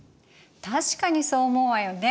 確かにそう思うわよね。